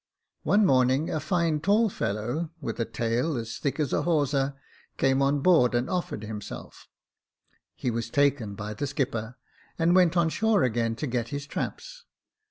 " One morning, a fine tall fellow, with a tail as thick as a hawser, came on board and offered himself; he was taken by the skipper, and went on shore again to get his traps.